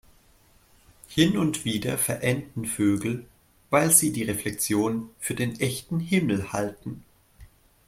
Hin und wieder verenden Vögel, weil sie die Reflexion für den echten Himmel halten.